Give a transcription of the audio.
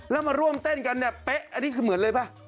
แล้วมาร่วมเต้นกันเนี่ยเป๊ะอันนี้คือเหมือนเลยป่ะ